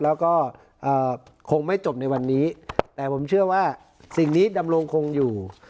แล้วก็คงไม่จบในวันนี้แต่ผมเชื่อว่าสิ่งนี้ดำรงคงอยู่